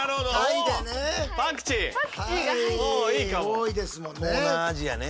多いですもんね。